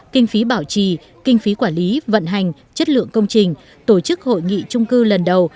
kinh phí bảo trì kinh phí quản lý vận hành chất lượng công trình tổ chức hội nghị trung cư lần đầu